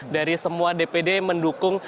dari semua dpd mendukung